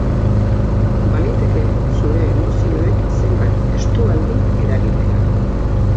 Baliteke zure emozioek zenbait estualdi eragitea.